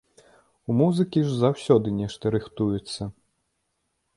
У музыкі ж заўсёды нешта рыхтуецца.